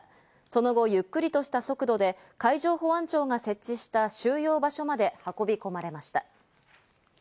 その後、ゆっくりとした速度で海上保安庁が設置した収容場所まで運び込まれました。